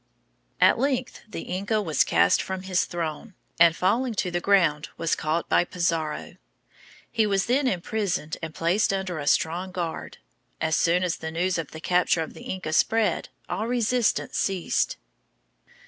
At length the Inca was cast from his throne, and, falling to the ground, was caught by Pizarro. He was then imprisoned and placed under a strong guard. As soon as the news of the capture of the Inca spread, all resistance ceased.